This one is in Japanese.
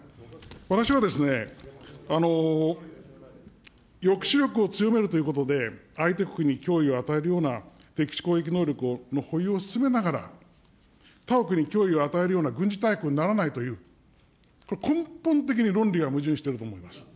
私はですね、抑止力を強めるということで、相手国に脅威を与えるような敵基地攻撃能力の保有を進めながら、他国に脅威を与えるような軍事大国にならないという、これ、根本的に論理が矛盾していると思います。